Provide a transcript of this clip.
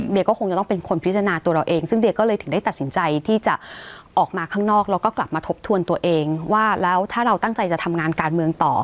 เดี๋ยวก็คงจะต้องเป็นคนพิจารณาตัวเราเองซึ่งเดียก็เลยถึงได้ตัดสินใจที่จะออกมาข้างนอกแล้วก็กลับมาทบทวนตัวเองว่าแล้วถ้าเราตั้งใจจะทำงานการเมืองต่อ